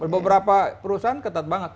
beberapa perusahaan ketat banget